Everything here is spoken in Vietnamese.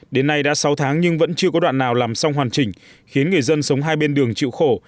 đến nay đã sáu tháng nhưng vẫn chưa có đoạn nào làm xong hoàn chỉnh khiến người dân sống hai bên đường chịu khổ